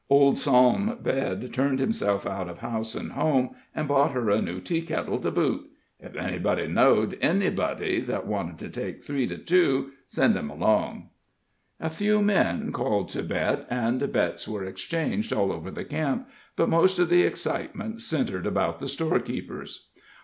Old Psalm bed turned himself out of house an' home, and bought her a new tea kettle to boot. If anybody know'd anybody that wanted to take three to two, send him along." A few men called to bet, and bets were exchanged all over the camp, but most of the excitement centred about the storekeeper's.